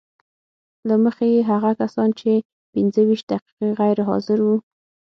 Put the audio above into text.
له مخې یې هغه کسان چې پنځه ویشت دقیقې غیر حاضر وو